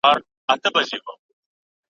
پښې چي مي مزلونو شوړولې اوس یې نه لرم `